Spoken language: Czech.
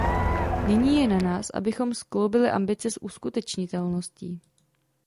Nyní je na nás, abychom skloubili ambice s uskutečnitelností.